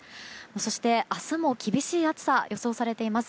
そして、明日も厳しい暑さが予想されています。